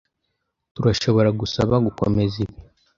Turashobora gusaba gukomeza ibi?